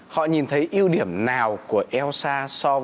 họ nhìn thấy ưu điểm nào của elsa so với những quỹ phát triển về trí tuệ nhân tạo